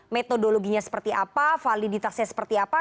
metodologinya seperti apa validitasnya seperti apa